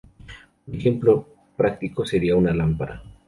Un ejemplo práctico sería una lámpara.